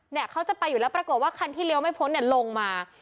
เนี่ยเขาจะไปอยู่แล้วปรากฏว่าคันที่เลี้ยวไม่พ้นเนี่ยลงมา